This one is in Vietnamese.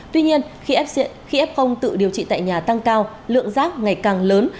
tuy nhiên khi f tự điều trị tại nhà tăng cao lượng rác ngày càng lớn